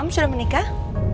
om sudah menikah